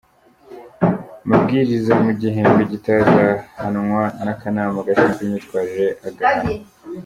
mabwiriza mu gihembwe gitaha azahanwa n’akanama gashinzwe imyitwarire, agahanwa